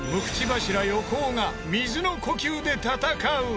柱横尾が水の呼吸で戦う！